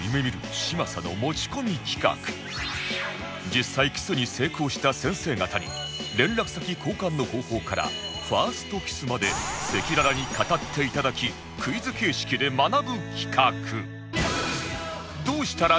実際キスに成功した先生方に連絡先交換の方法からファーストキスまで赤裸々に語っていただきクイズ形式で学ぶ企画